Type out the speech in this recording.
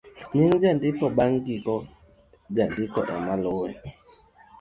nying' jandiko.bang' giko ,nying' jandiko ema luwe